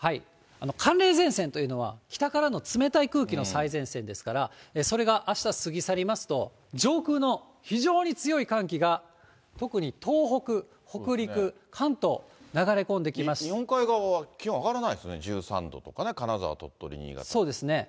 寒冷前線というのは、北からの冷たい空気の最前線ですから、それがあした過ぎ去りますと、上空の非常に強い寒気が特に東北、北陸、関東、流れ込んでき日本海側は気温上がらないですね、１３度とかね、金沢、鳥取、そうですね。